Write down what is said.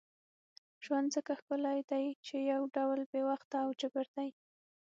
ژوند ځکه ښکلی دی چې یو ډول بې وخته او جبر دی.